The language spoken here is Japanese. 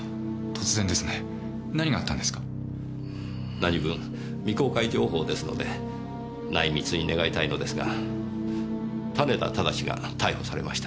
何分未公開情報ですので内密に願いたいのですが種田正が逮捕されました。